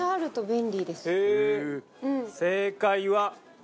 正解は。